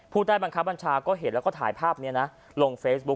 ผู้ใต้บังคับบัญชาก็เห็นแล้วก็ถ่ายภาพนี้นะลงเฟซบุ๊